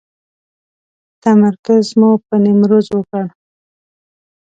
تمرکز مو پر نیمروز وکړ.